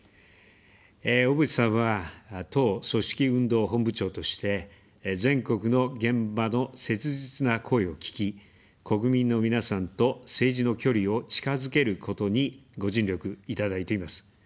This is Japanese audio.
小渕さんは、党組織運動本部長として、全国の現場の切実な声を聞き、国民の皆さんと政治の距離を近づけることにご尽力いただいています。